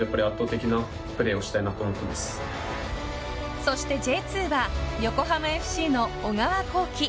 そしてＪ２は横浜ＦＣの小川航基。